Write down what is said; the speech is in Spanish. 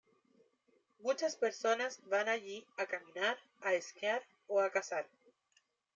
Muchas personas van allí a caminar, a esquiar o a cazar.